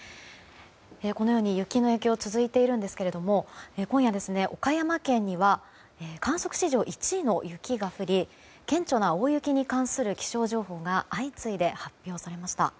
このように雪の影響が続いているんですが今夜、岡山県には観測史上１位の雪が降り顕著な大雪に関する気象情報が相次いで発表されました。